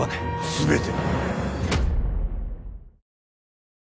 全て。